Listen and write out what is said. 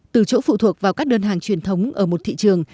từ chỗ phụ thuộc vào các đơn hàng truyền thống ở một thị trường